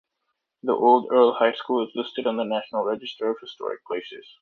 The Old Earle High School is listed on the National Register of Historic Places.